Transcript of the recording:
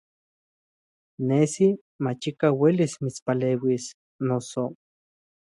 Nesi machikaj uelis mitspaleuis, noso.